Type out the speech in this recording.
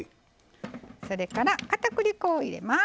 それからかたくり粉を入れます。